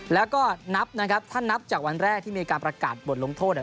แล้วก็นับนะครับถ้านับจากวันแรกที่มีการประกาศบทลงโทษเนี่ย